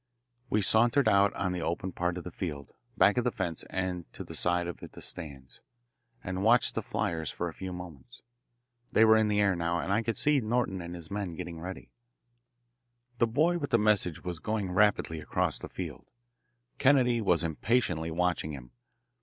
We sauntered out on the open part of the field, back of the fence and to the side of the stands, and watched the fliers for a few moments. Three were in the air now, and I could see Norton and his men getting ready. The boy with the message was going rapidly across the field. Kennedy was impatiently watching him.